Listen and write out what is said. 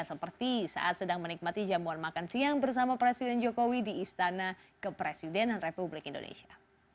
seperti saat sedang menikmati jamuan makan siang bersama presiden jokowi di istana kepresidenan republik indonesia